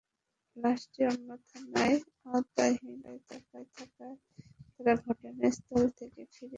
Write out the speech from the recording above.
লাশটি অন্য থানার আওতাধীন এলাকায় থাকায় তাঁরা ঘটনাস্থল থেকে ফিরে যান।